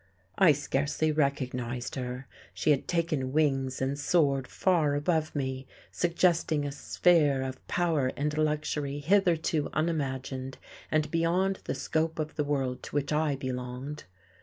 I scarcely recognized her: she had taken wings and soared far above me, suggesting a sphere of power and luxury hitherto unimagined and beyond the scope of the world to which I belonged.